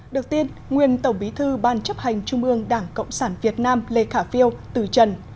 được tin nguyên tổng bí thư ban chấp hành trung ương đảng cộng sản việt nam lê khả phiêu từ trần